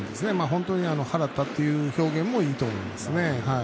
本当に払ったという表現もいいと思いますね。